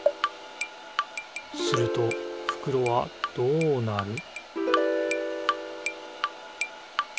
するとふくろはどうなる？